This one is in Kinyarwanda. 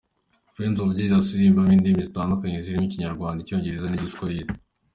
Friends of Jesus iririmba mu ndimi zitandukanye zirimo Ikinyarwanda, Icyongereza n’Igiswahili.